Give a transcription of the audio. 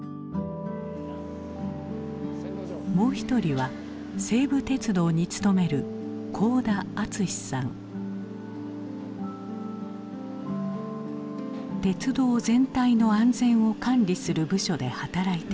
もう一人は西武鉄道に勤める鉄道全体の安全を管理する部署で働いている。